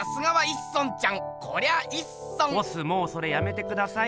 もうそれやめてください。